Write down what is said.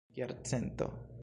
jarcento